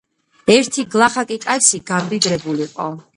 ერთი გლახაკი კაცი გამდიდრებულიყო